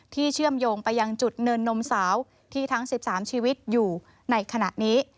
เชื่อมโยงไปยังจุดเนินนมสาวที่ทั้ง๑๓ชีวิตอยู่ในขณะนี้